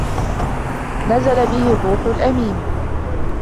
نَزَلَ بِهِ الرُّوحُ الْأَمِينُ